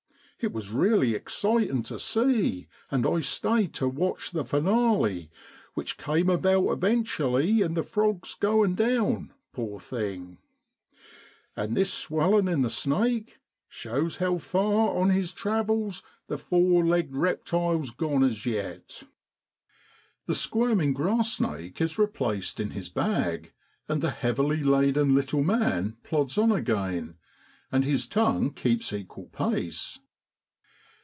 It was really exciting to see ; and I stayed to watch the finale, which came about eventually in the frog's going down, poor thing ! And this swelling in the snake shows how far on his travels the four legged reptile's gone as yet.' AUGUST IN BROADLAND. 83 The squirming grass snake is replaced in his bag, and the heavily laden little man plods on again and his tongue keeps equal pace.